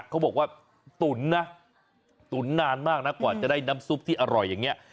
เขาบอกว่าตุ๋นนะตุ๋นนานมากนะกว่าจะได้น้ำซุปที่อร่อยอย่างนี้